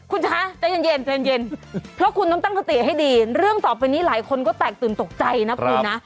คุณคะใจเย็นใจเย็นเพราะคุณต้องตั้งสติให้ดีเรื่องต่อไปนี้หลายคนก็แตกตื่นตกใจนะคุณนะ